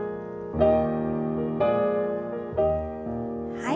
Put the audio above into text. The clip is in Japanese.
はい。